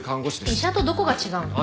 医者とどこが違うの？